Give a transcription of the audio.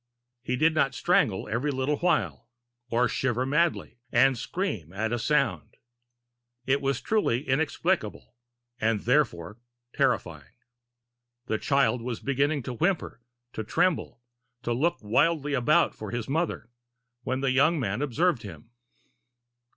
He did not strangle every little while, or shiver madly, and scream at a sound. It was truly inexplicable, and therefore terrifying. The child was beginning to whimper, to tremble, to look wildly about for his mother, when the young man observed him.